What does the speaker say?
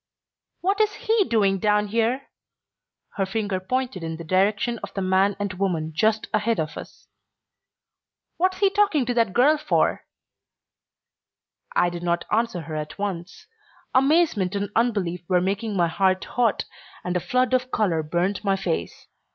"What is he doing down here?" Her finger pointed in the direction of the man and woman just ahead of us. "What's he talking to that girl for?" I did not answer her at once. Amazement and unbelief were making my heart hot, and a flood of color burned my face.